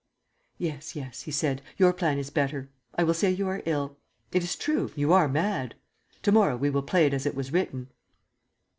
"Yes, yes," he said. "Your plan is better. I will say you are ill. It is true; you are mad. To morrow we will play it as it was written."